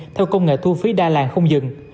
theo công nghệ thu phí đa làng không dừng